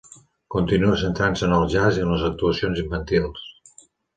Continua centrant-se en el jazz i en les actuacions infantils.